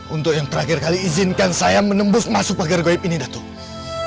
untuk yang terakhir kali izinkan saya menembus masuk pagar goib ini datuk